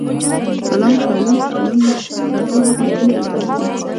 سلام، شالوم، سالم، دا ټول هغه ښکلي الفاظ دي.